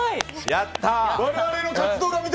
やったー！